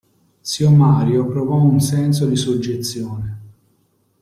Zio Mario provò un senso di soggezione.